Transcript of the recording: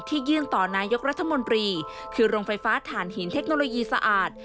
ยื่นต่อนายกรัฐมนตรีคือโรงไฟฟ้าฐานหินเทคโนโลยีสะอาด